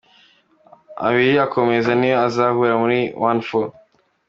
Abiri akomeza niyo azahura muri ¼.